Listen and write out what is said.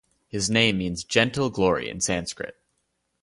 His name means "Gentle Glory" in Sanskrit.